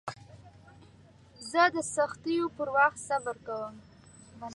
زه د سختیو پر وخت صبر کوم.